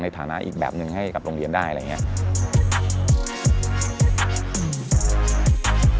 ฐานะอีกแบบหนึ่งให้กับโรงเรียนได้อะไรอย่างนี้